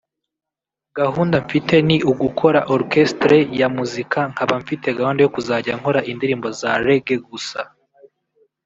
“Gahunda mfite ni ugukora Orchestre ya muzika nkaba mfite gahunda yo kuzajya nkora indirimbo za Raggae gusa